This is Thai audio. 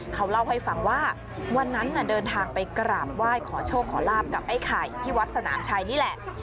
เขาเล่าให้ฟังว่าวันนั้นเดินทางไปกราบไหว้ขอโชคขอลาบกับไอ้ไข่ที่วัดสนามชัยนี่แหละ